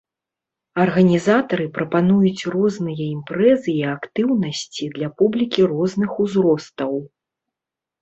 Арганізатары прапануюць розныя імпрэзы і актыўнасці для публікі розных узростаў.